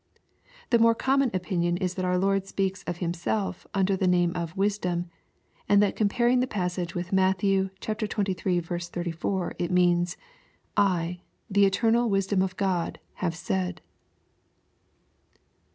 The more common opinion is that our Lord speaks of Himself under the name of " Wisdom," and that comparing the passage with Matt, xxiii. 34, it means, I, the eternal wisdom of God, have said."